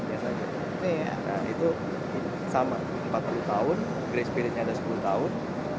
ya itu sama empat puluh tahun grace spiritnya ada sepuluh tahun